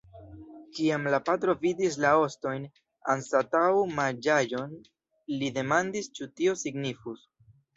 Kiam la patro vidis la ostojn anstataŭ manĝaĵon, li demandis ĉu tio signifus.